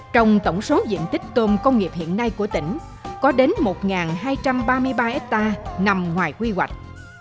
trong tổng số diện tích tôm công nghiệp hiện nay của tỉnh có đến một hai trăm ba mươi ba hectare nằm ngoài quy hoạch